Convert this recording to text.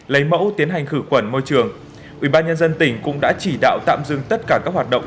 lấy mẫu tiến hành khử khuẩn môi trường ubnd tỉnh cũng đã chỉ đạo tạm dừng tất cả các hoạt động